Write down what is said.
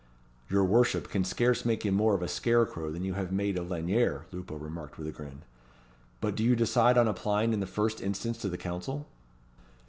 "Your worship can scarce make him more of a scarecrow than you have made of Lanyere," Lupo remarked with a grin. "But do you decide on applying in the first instance to the Council?"